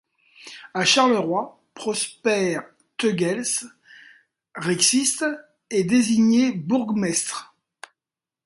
À Charleroi, Prosper Teughels, rexiste, est désigné bourgmestre.